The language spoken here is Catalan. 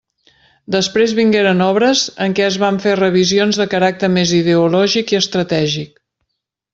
Després vingueren obres en què es van fer revisions de caràcter més ideològic i estratègic.